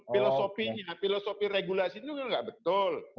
filosofinya filosofi regulasi itu nggak betul